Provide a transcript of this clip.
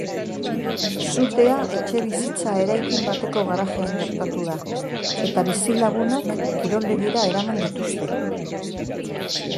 Sutea etxebizitza eraikin bateko garajean gertatu da, eta bizilagunak kiroldegira eraman dituzte.